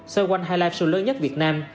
xoay quanh hai live show lớn nhất việt nam